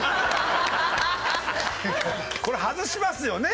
これ外しますよね。